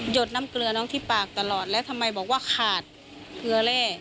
ดน้ำเกลือน้องที่ปากตลอดแล้วทำไมบอกว่าขาดเกลือแร่